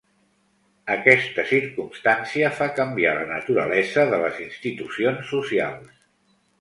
Aquesta circumstància fa canviar la naturalesa de les institucions socials.